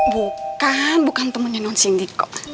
bukan bukan temennya nonsindi kok